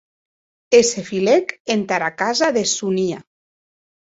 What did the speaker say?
E se filèc entara casa de Sonia.